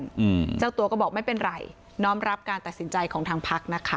อืมเจ้าตัวก็บอกไม่เป็นไรน้อมรับการตัดสินใจของทางพักนะคะ